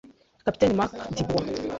(Captain Marc Dubois)